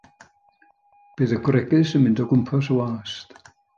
Bydd y gwregys yn mynd o gwmpas y wast.